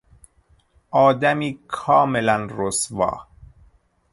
آدمی کاملا رسوا